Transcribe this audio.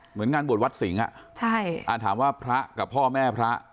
เหมือนงานบวชวัดสิงห์อ่ะใช่อ่าถามว่าพระกับพ่อแม่พระ